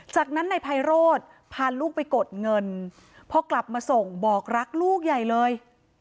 จากนั้นนายไพโรธพาลูกไปกดเงินพอกลับมาส่งบอกรักลูกใหญ่เลย